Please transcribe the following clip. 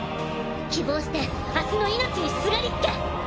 希望して明日の命にすがりつけ！